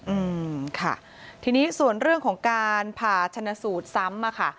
อืมค่ะทีนี้ส่วนเรื่องของการผ่าชนะสูตรซ้ำอ่ะค่ะ